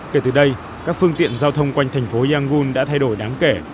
kể từ đây các phương tiện giao thông quanh thành phố yangun đã thay đổi đáng kể